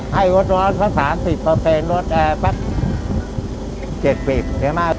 ให้รถรอน๓๐รถแอร์๗๐